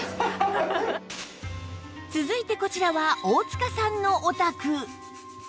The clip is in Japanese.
続いてこちらは大塚さんのお宅